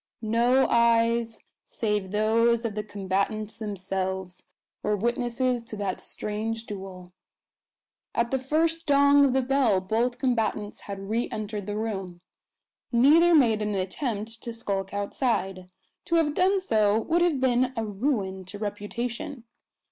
No eyes save those of the combatants themselves were witnesses to that strange duel. At the first dong of the bell both combatants had re entered the room. Neither made an attempt to skulk outside. To have done so would have been a ruin to reputation.